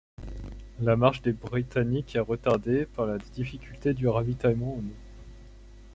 La marche des Britanniques est retardée par la difficulté du ravitaillement en eau.